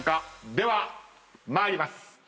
では参ります。